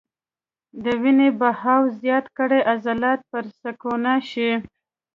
د وينې بهاو زيات کړي عضلات پرسکونه شي -